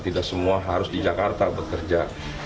tidak semua harus di jakarta bekerja